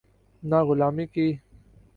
نہ غلامی کی۔